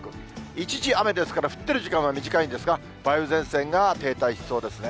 一時雨ですから、降っている時間は短いんですが、梅雨前線が停滞しそうですね。